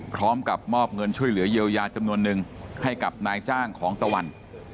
พร้อมกับมอบเงินช่วยเหลือเยียวยาจำนวนนึงให้กับนายจ้างของตะวัน